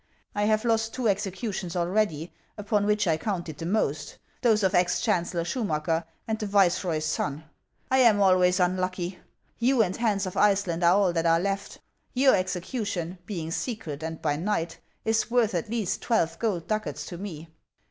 " I have lost two executions already upon which I counted the most, those of ex chaucellor Schu macker and the viceroy's son. I am always unlucky. You and Hans of Iceland are all that are left. Y"our execution, being secret and by night, is worth at least twelve gold ducats to me.